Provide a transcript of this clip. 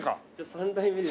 ３代目です。